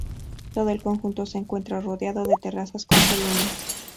Todo el conjunto se encuentra rodeado de terrazas con columnas.